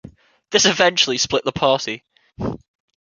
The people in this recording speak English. This eventually split the party.